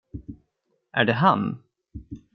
Är det han?